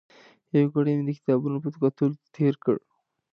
یو ګړی مې د کتابونو په کتلو تېر کړ.